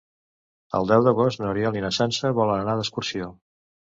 El deu d'agost n'Oriol i na Sança volen anar d'excursió.